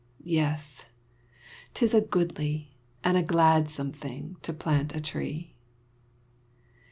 Yes, 'tis a goodly, and a gladsome thing To plant a tree.